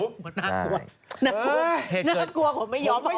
น่ากลัวหน้ากลัวผมไม่ยอม